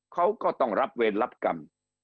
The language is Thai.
เขาก็ต้องรับเวรรับกรรม